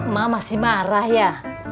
ma masih marah ya